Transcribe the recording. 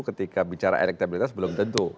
ketika bicara elektabilitas belum tentu